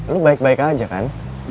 lu baik baik aja kan